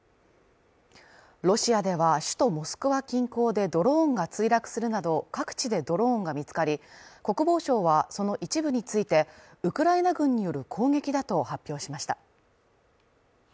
ロシアでは首都モスクワ近郊でドローンが墜落するなど、各地でドローンが見つかり国防省はその一部についてウクライナ軍による攻撃だと発表しました。